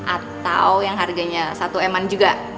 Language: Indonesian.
atau yang harganya satu m an juga